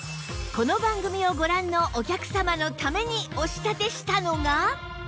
この番組をご覧のお客様のためにお仕立てしたのが